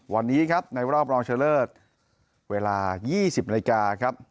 วันนี้ครับในรอบรองชะเลิศเวลา๒๐นาฬิกาครับ